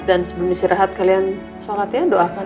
dan sebelum istirahat kalian sholat ya doakan